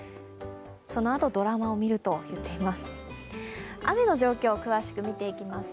そのあとドラマを見ると言っています。